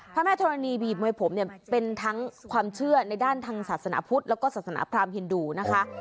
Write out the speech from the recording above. พระแม่ธรณีบีบมวยผมเนี่ยเป็นทั้งความเชื่อในด้านทางศาสนาพุทธแล้วก็ศาสนาพรามฮินดูนะคะ